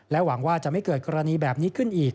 หวังว่าจะไม่เกิดกรณีแบบนี้ขึ้นอีก